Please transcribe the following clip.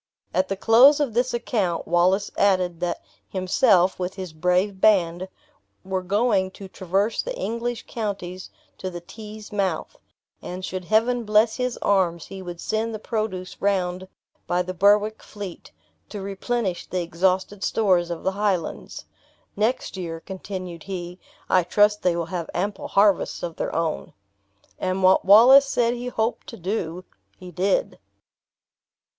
At the close of this account, Wallace added, that himself, with his brave band, were going to traverse the English counties to the Tees' mouth; and should Heaven bless his arms, he would send the produce round by the Berwick fleet, to replenish the exhausted stores of the Highlands. "Next year," continued he, "I trust they will have ample harvests of their own." And what Wallace said he hoped to do, he did.